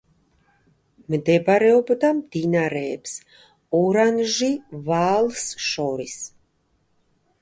მდებარეობდა მდინარეებს ორანჟი ვაალს შორის.